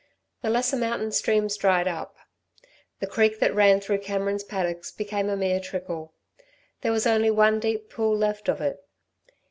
The lesser mountain streams dried up. The creek that ran through Cameron's paddocks became a mere trickle. There was only one deep pool left of it.